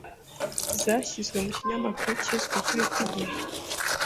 zashyizwe mu kinyamakuru cyiswe Ukuri kw'iki gihe.